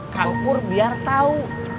kampur biar tahu